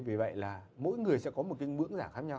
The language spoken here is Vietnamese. vì vậy là mỗi người sẽ có một cái ngưỡng giả khác nhau